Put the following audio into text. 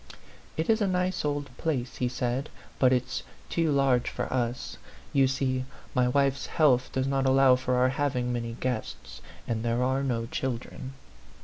" It is a nice old place," he said, " but it's too large for us. You see, my wife's health does not allow of our having many guests ; and there are no children."